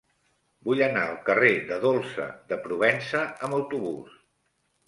Vull anar al carrer de Dolça de Provença amb autobús.